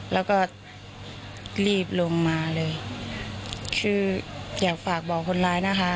แล้วก็รีบลงมาเลยคืออยากฝากบอกคนร้ายนะคะ